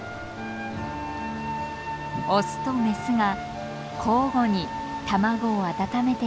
オスとメスが交互に卵を温めています。